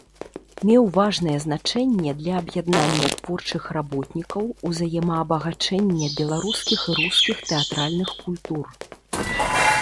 Меў важнае значэнне для аб'яднання творчых работнікаў, узаемаабагачэння беларускіх і рускіх тэатральных культур.